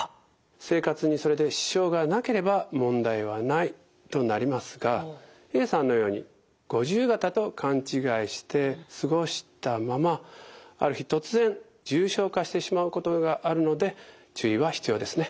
生活にそれで支障がなければ問題はないとなりますがＡさんのように五十肩と勘違いして過ごしたままある日突然重症化してしまうことがあるので注意は必要ですね。